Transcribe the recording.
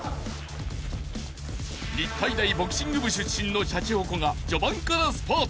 ［日体大ボクシング部出身のシャチホコが序盤からスパート］